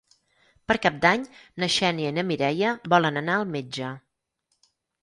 Per Cap d'Any na Xènia i na Mireia volen anar al metge.